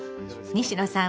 西野さん